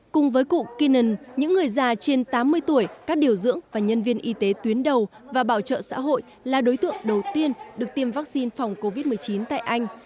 cùng với cụ keenan những người già trên tám mươi tuổi các điều dưỡng và nhân viên y tế tuyến đầu và bảo trợ xã hội là đối tượng đầu tiên được tiêm vaccine phòng covid một mươi chín tại anh